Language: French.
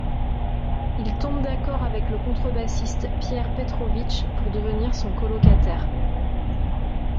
Il tombe d’accord avec le contrebassiste Pierre Pétrovitch pour devenir son colocataire.